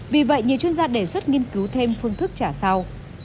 vì vậy nhiều chuyên gia đề xuất nghiên cứu thêm phương thức trả sau